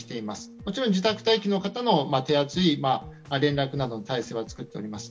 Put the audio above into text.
もちろん自宅待機の方の手厚い連絡などの体制は作っています。